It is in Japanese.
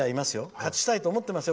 勝ちたいと思ってますよ